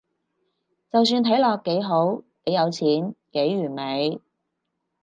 就算睇落幾好，幾有錢，幾完美